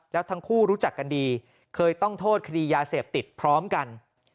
แล้วทั้งคู่รู้จักกันดีเคยต้องโทษคดียาเสพติดพร้อมกัน